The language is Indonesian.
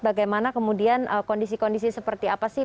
bagaimana kemudian kondisi kondisi seperti apa sih